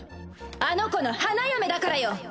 あの子の花嫁だからよ。